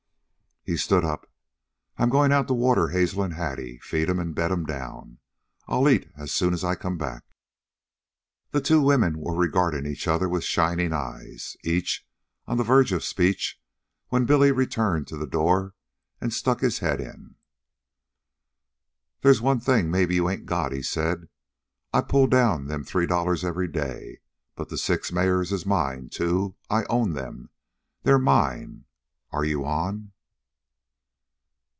He stood up. "I 'm goin' out to water Hazel an' Hattie, feed 'm, an' bed 'm down. I'll eat soon as I come back." The two women were regarding each other with shining eyes, each on the verge of speech when Billy returned to the door and stuck his head in. "They's one thing maybe you ain't got," he said. "I pull down them three dollars every day; but the six mares is mine, too. I own 'm. They're mine. Are you on?"